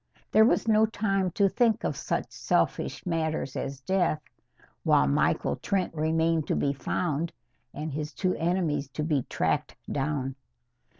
There was no time to think of such selfish matters as death, while Michael Trent remained to be found and his two enemies to be tracked down.